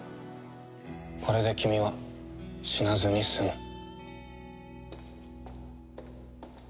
これで君は死なずに済む。